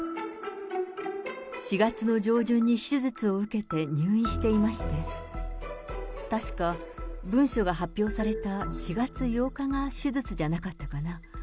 ４月の上旬に手術を受けて入院していまして、確か文書が発表された４月８日が手術じゃなかったかな。